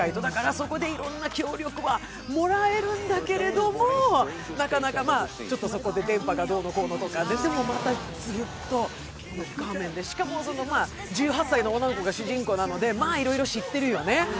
そこでいろいろな協力はもらえるんだけれども、なかなかちょっとそこで電波がどうのこうのって、でもまたずっと画面で、しかも１８歳の女の子が主人公なのでいろいろ知ってるよね。